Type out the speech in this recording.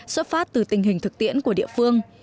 xuất phát từ tình hình thực tiễn của địa phương